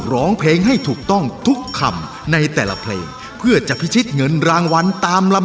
มีความในใจอยากบอกพี่